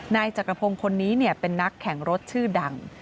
นายจักรพงศ์คนนี้เป็นนักแข่งรถชื่อดัง